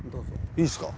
いいですか？